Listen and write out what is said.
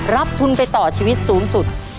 ทุนไปต่อชีวิตสูงสุด